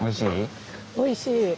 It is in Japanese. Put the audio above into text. おいしい？